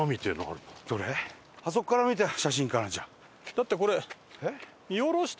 だってこれ。